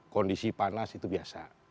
kondisi panas itu biasa